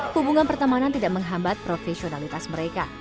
hubungan pertemanan tidak menghambat profesionalitas mereka